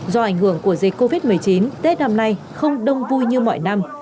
do ảnh hưởng của dịch covid một mươi chín tết năm nay không đông vui như mọi năm